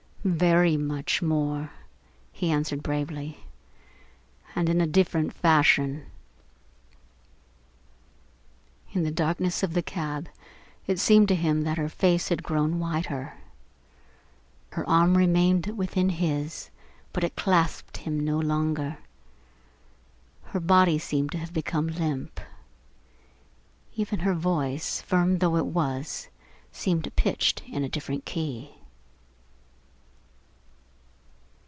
"Very much more," he answered bravely, "and in a different fashion." In the darkness of the cab it seemed to him that her face had grown whiter. Her arm remained within his but it clasped him no longer. Her body seemed to have become limp. Even her voice, firm though it was, seemed pitched in a different key.